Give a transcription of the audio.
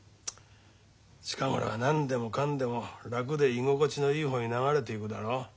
近頃は何でもかんでも楽で居心地のいい方に流れていくだろ？